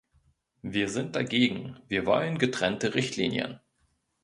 Wir sind dagegen, wir wollen getrennte Richtlinien.